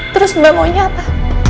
terus mbak maunya apa